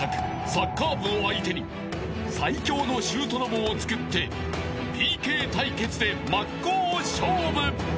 サッカー部を相手に最強のシュートロボを作ってＰＫ対決で真っ向勝負］